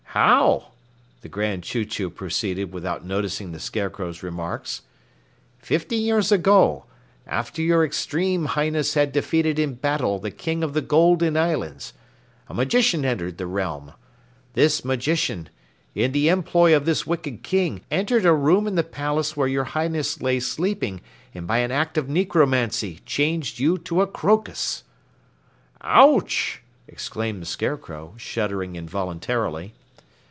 "How?" the Grand Chew Chew proceeded without noticing the Scarecrow's remarks. "Fifty years ago after your Extreme Highness had defeated in battle the King of the Golden Islands a magician entered the realm. This magician, in the employ of this wicked king, entered a room in the palace where your Highness lay sleeping and by an act of necromancy changed you to a crocus!" "Ouch!" exclaimed the Scarecrow, shuddering involuntarily.